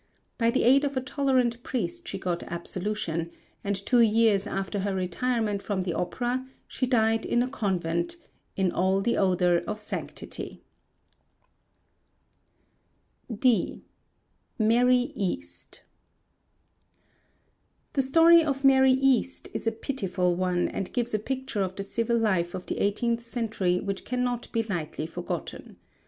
By the aid of a tolerant priest she got absolution, and two years after her retirement from the opera she died in a convent in all the odour of sanctity. D. MARY EAST The story of Mary East is a pitiful one, and gives a picture of the civil life of the eighteenth century which cannot be lightly forgotten.